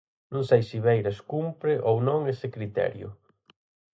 Non sei se Beiras cumpre ou non ese criterio.